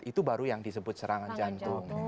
itu baru yang disebut serangan jantung